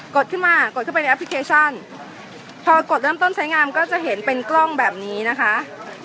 ดขึ้นมากดเข้าไปในแอปพลิเคชันพอกดเริ่มต้นใช้งามก็จะเห็นเป็นกล้องแบบนี้นะคะ